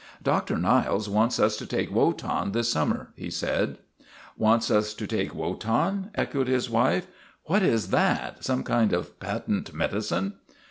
" Doctor Niles wants us to take Wotan this sum mer," said he. " Wants us to take Wotan ?' echoed his wife. " What is that some kind of patent medi cine